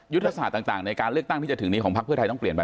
ศาสตร์ต่างในการเลือกตั้งที่จะถึงนี้ของพักเพื่อไทยต้องเปลี่ยนไหม